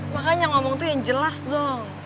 makanya ngomong tuh yang jelas dong